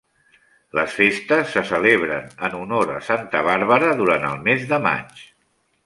Les festes se celebren en honor a Santa Bàrbara durant el mes de maig.